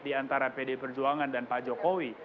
di antara pd perjuangan dan pak jokowi